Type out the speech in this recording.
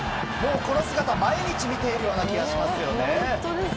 この姿、毎日見ているような気がしますよね。